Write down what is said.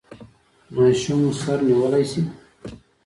ماشوم مو سر نیولی شي؟